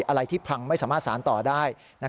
อะไรที่พังไม่สามารถสารต่อได้